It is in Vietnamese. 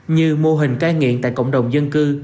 như mô hình cai nghiện tại cộng đồng dân cư